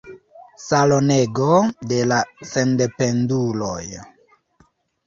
Salonego de la sendependuloj.